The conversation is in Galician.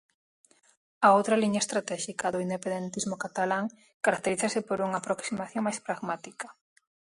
A outra liña estratéxica do independentismo catalán caracterízase por unha aproximación máis pragmática.